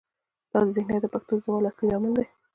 دا ذهنیت د پښتو د زوال اصلي لامل دی.